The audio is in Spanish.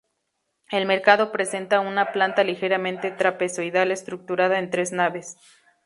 El mercado presenta una planta ligeramente trapezoidal estructurada en tres naves.